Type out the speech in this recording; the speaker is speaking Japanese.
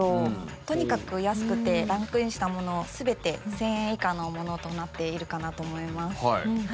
とにかく安くてランクインしたもの全て１０００円以下のものとなっているかなと思います。